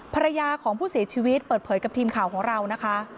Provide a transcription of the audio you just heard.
ภรรยาของผู้เสียชีวิตเปิดเผยกับทีมข่าวของเรานะคะ